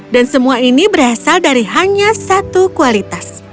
dan semua ini berasal dari hanya satu kualitas